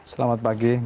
selamat pagi bapak bunga